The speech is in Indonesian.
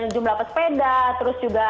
jumlah pesepeda terus juga